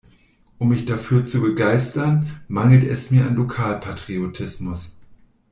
Um mich dafür zu begeistern, mangelt es mir an Lokalpatriotismus.